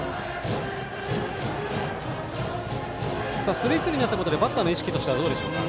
スリーツーになったことでバッターの意識はどうでしょうか？